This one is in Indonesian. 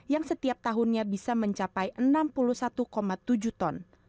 yang setiap tahunnya bisa mencapai enam puluh satu tujuh ton